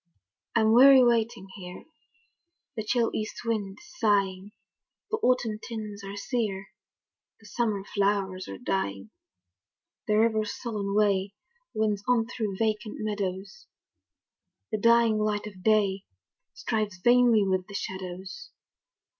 I'm weary waiting here, The chill east wind is sighing, The autumn tints are sere, The summer flowers are dying. The river's sullen way Winds on through vacant meadows, The dying light of day Strives vainly with the shadows.